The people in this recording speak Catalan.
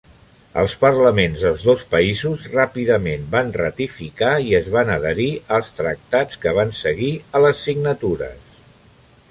Els parlaments dels dos països ràpidament van ratificar i es van adherir als tractats que van seguir a les signatures.